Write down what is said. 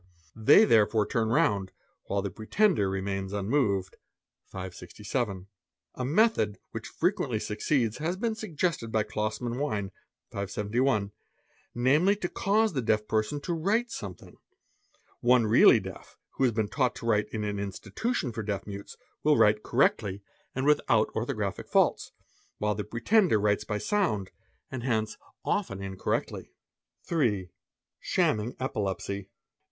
they therefore turn round, while the pretende remains unmoved "8, = A method which frequently succeeds has Hach suggested by Kladll | mann Weien®™, namely to cause the deaf person to write somethin One really deaf, who has been taught to write in an institution for de: mutes, will write correctly and without orthographical faults, while t pretender writes by sound and hence often incorrectly. 3. Shamming Epilepsy.